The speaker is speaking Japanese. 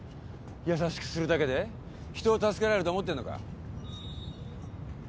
優しくするだけで人を助けられると思ってんのか？